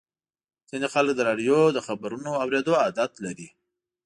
ځینې خلک د راډیو د خبرونو اورېدو عادت لري.